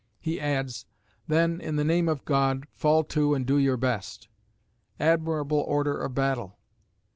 He adds, "then, in the name of God, fall to and do your best." Admirable order of battle!